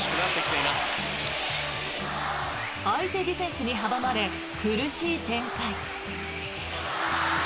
相手ディフェンスに阻まれ苦しい展開。